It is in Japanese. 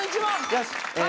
よし。